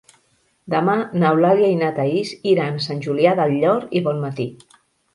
Demà n'Eulàlia i na Thaís iran a Sant Julià del Llor i Bonmatí.